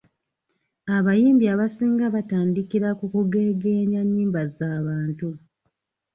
Abayimbi abasinga batandikira ku kugeegeenya nnyimba za bantu.